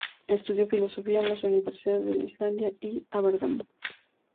Estudió filosofía en las universidades de Islandia y Aberdeen.